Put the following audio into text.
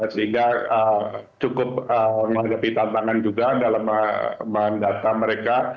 sehingga cukup menghadapi tantangan juga dalam mendata mereka